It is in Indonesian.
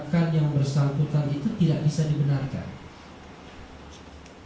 bahkan yang bersangkutan itu tidak bisa dibenarkan